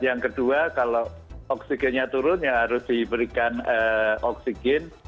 yang kedua kalau oksigennya turun ya harus diberikan oksigen